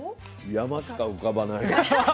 山しか浮かばない。